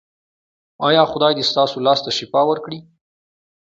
ایا خدای دې ستاسو لاس ته شفا ورکړي؟